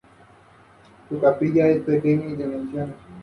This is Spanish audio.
Adquirió de Mauricio Hirsch las tierras que serían el poblado.